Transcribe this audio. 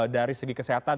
dari segi kesehatan